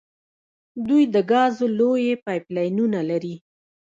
دوی د ګازو لویې پایپ لاینونه لري.